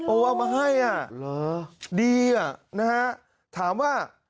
โอ้โฮเอามาให้อ่ะดีอ่ะนะฮะถามว่า